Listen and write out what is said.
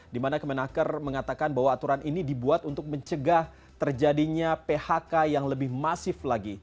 dimana kemenaker mengatakan bahwa aturan ini dibuat untuk mencegah terjadinya phk yang lebih masif lagi